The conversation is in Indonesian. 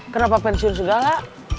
kenapa pensiun segala